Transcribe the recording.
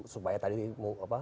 supaya tadi apa